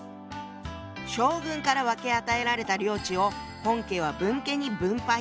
将軍から分け与えられた領地を本家は分家に分配。